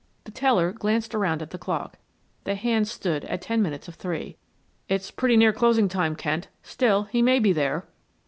The teller glanced around at the clock; the hands stood at ten minutes of three. "It's pretty near closing time, Kent; still, he may be there."